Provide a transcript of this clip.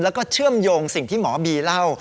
แล้วก็เชื่อมโยงสิ่งที่หมอบีเล่า